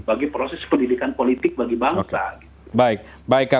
bagi proses pendidikan politik bagi bangsa